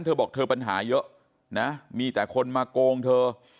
เธอบอกเธอปัญหาเยอะนะมีแต่คนมาโกงเธอ